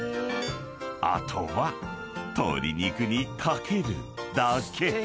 ［あとは鶏肉に掛けるだけ］